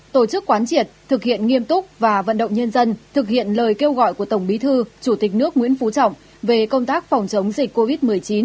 tổ chức quán triệt thực hiện nghiêm túc và vận động nhân dân thực hiện lời kêu gọi của tổng bí thư chủ tịch nước nguyễn phú trọng về công tác phòng chống dịch covid một mươi chín